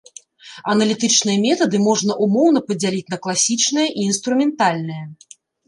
Аналітычныя метады можна ўмоўна падзяліць на класічныя і інструментальныя.